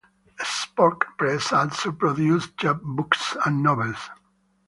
Spork Press also produces chapbooks and novels.